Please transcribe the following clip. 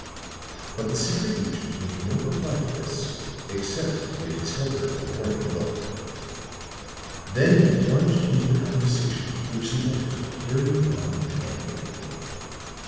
But the secret agent made no reply to this except to give his helper a warning look; then he plunged into the conversation which the others were carrying on animatedly.